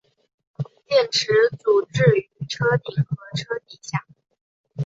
电池组置于车顶和车底下。